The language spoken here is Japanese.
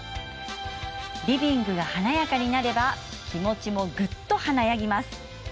リビングが華やかになれば気持ちもぐっと華やぎます。